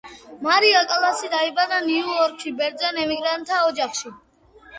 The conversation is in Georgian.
მარია კალასი დაიბადა ნიუ იორკში ბერძენ ემიგრანტთა ოჯახში.